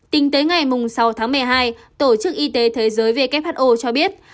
tính tới ngày sáu tháng một mươi hai tổ chức y tế thế giới who cho biết